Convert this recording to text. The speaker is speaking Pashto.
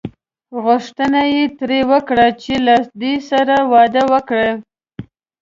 غوښتنه یې ترې وکړه چې له دې سره واده وکړي.